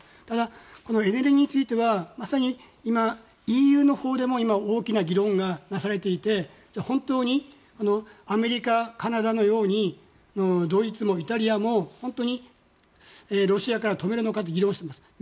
ただ、エネルギーについてはまさに今、ＥＵのほうでも大きな議論がなされていてアメリカ、カナダのようにドイツもイタリアも本当にロシアから止めるのかと議論しています。